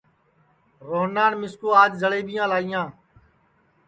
روہنان مِسکُو آج جݪئٻیاں لائیاں